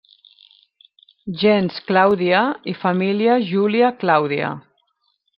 Gens Clàudia, i família Júlia-Clàudia.